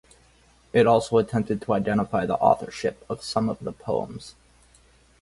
It also attempted to identify the authorship of some of the poems.